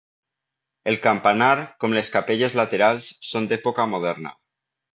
El campanar, com les capelles laterals, són d'època moderna.